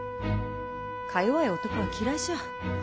かよわい男は嫌いじゃ。